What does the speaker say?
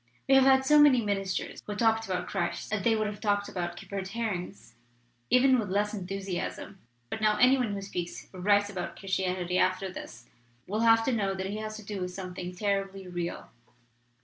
We have had so many ministers who talked about Christ as they would have talked about kippered herrings even with less enthusiasm. But now any one who speaks or writes about Christianity after this will have to know that he has to do with something terribly real.